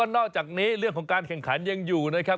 นอกจากนี้เรื่องของการแข่งขันยังอยู่นะครับ